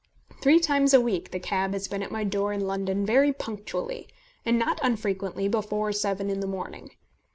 Three times a week the cab has been at my door in London very punctually, and not unfrequently before seven in the morning.